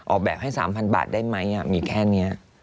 ออกแบบให้๓๐๐บาทได้ไหมมีแค่นี้